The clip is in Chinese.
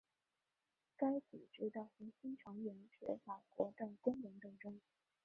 该组织的核心成员是法国的工人斗争。